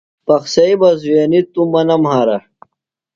پخسئی بہ زُوئینی توۡ مہ نہ مھارہ۔